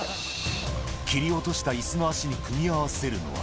切り落としたいすの足に組み合わせるのは。